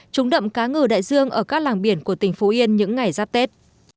trúng đậm cá ngừ đại dương ở các làng biển của tỉnh phú yên những ngày giáp tết